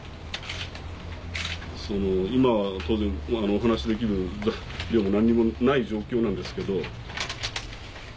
その今は当然お話しできる量も何もない状況なんですけど。